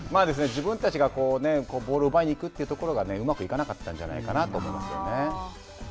自分たちがボールを奪いに行くというところがうまくいかなかったんじゃないかなと思いますよね。